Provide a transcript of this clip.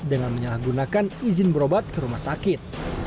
dengan menyalahgunakan izin berobat ke rumah sakit